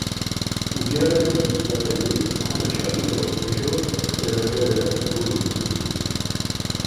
Ugyareli utzǩareli komeşalu do heşo serebere gulut̆u.